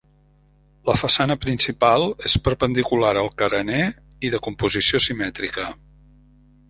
La façana principal és perpendicular al carener i de composició simètrica.